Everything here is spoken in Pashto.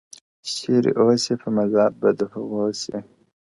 o چي چيري اوسې، په مذهب به د هغو سې!